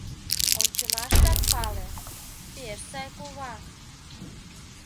Ончымаштак пале: пеш сай кува.